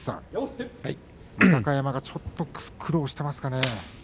豊山がちょっと苦労していますかね。